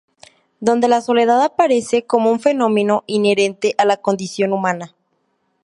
Donde la soledad aparece como un fenómeno inherente a la condición humana.